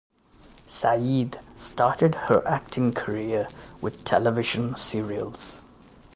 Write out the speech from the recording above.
Syed started her acting career with television serials.